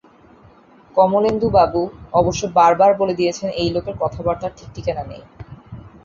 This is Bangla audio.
কমলেন্দুবাবু অবশ্য বারবার বলে দিয়েছেন-এই লোকের কথাবার্তার ঠিকঠিকানা নেই।